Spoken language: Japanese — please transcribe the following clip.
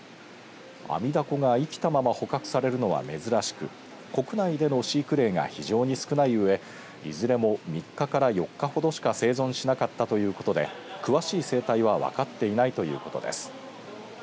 アミダコが生きたまま捕獲されるのは珍しく国内での飼育例が非常に少ないうえいずれも３日から４日ほどしか生存しなかったということで詳しい生態は分かっていないということです。